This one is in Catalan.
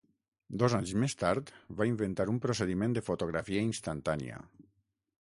Dos anys més tard va inventar un procediment de fotografia instantània.